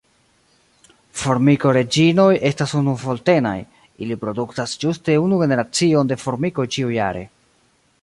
Formikoreĝinoj estas unuvoltenaj (ili produktas ĝuste unu generacion de formikoj ĉiujare).